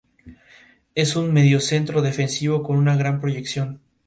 Es un mediocentro defensivo con una gran proyección.